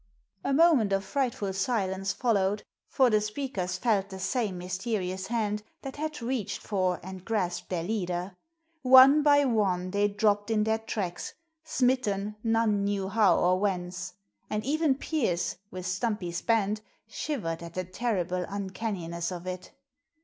A moment of frightful silence followed, for the speakers felt the same mysterious hand that had reached for and grasped their leader. One by one they dropped in their tracks, smitten none knew how or whence; and even Pearse, with Stumpy's band, shivered at the terrible uncanniness of it.